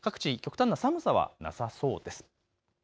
各地極端な寒さはなさそうです。